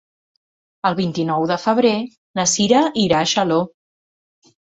El vint-i-nou de febrer na Cira irà a Xaló.